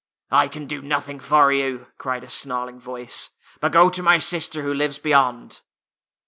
'' I can do nothing for you," cried a snarl ing voice. '' But go to my sister who lives beyond."